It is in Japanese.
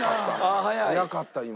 早かった今。